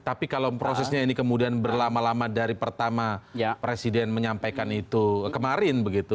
tapi kalau prosesnya ini kemudian berlama lama dari pertama presiden menyampaikan itu kemarin begitu